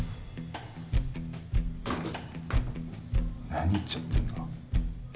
何言っちゃってんの？